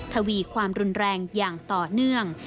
ทวีความรุนแรงอย่างต่อเนื่อง